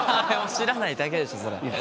知らないだけでしょそれ。